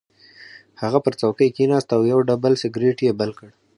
هغه پر څوکۍ کېناست او یو ډبل سګرټ یې بل کړ